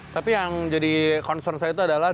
tapi yang jadi concern saya itu adalah